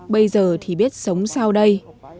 bây giờ thì biết sống sao đây